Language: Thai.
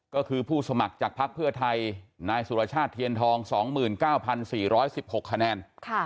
ก็คือผู้สมัครจากภักดิ์เพื่อไทยนายสุรชาติเทียนทอง๒๙๔๑๖คะแนน